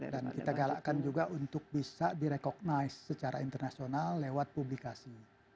dan kita galakkan juga untuk bisa direkognis secara internasional lewat publikasi